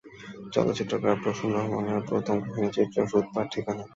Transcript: চলচ্চিত্রকার প্রসূন রহমানের প্রথম কাহিনিচিত্র সুতপার ঠিকানা নারী জীবনকে ধারণ করে গভীর মমতায়।